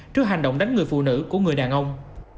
trước hành động đánh người phụ nữ của người đàn ông